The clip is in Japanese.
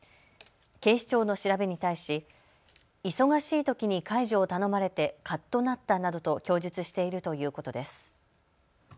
警視庁の調べに対し、忙しいときに介助を頼まれてかっとなったなどと供述しているということです。